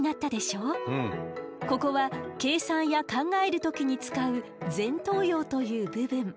ここは計算や考える時に使う前頭葉という部分。